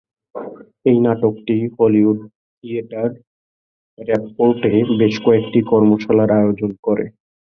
এই নাটকটি Hollywood theatre র্যাপপোর্টে বেশ কয়েকটি কর্মশালার আয়োজন করে।